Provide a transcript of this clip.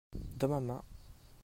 dans ma main.